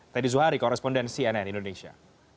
teddy zhari koresponden cnn indonesia